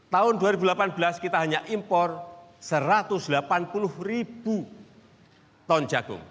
tahun dua ribu delapan belas kita hanya impor satu ratus delapan puluh ribu ton jagung